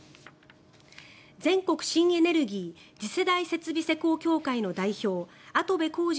全国新エネルギー次世代設備施工協会の代表跡部浩二